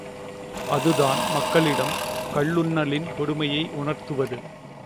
அதுதான் மக்களிடம் கள்ளுண்ணலின் கொடுமையை உணர்த்துவது!